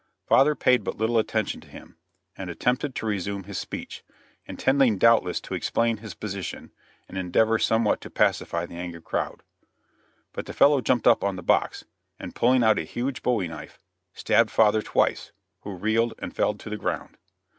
Father paid but little attention to him, and attempted to resume his speech, intending doubtless to explain his position and endeavor to somewhat pacify the angry crowd. But the fellow jumped up on the box, and pulling out a huge bowie knife, stabbed father twice, who reeled and fell to the ground.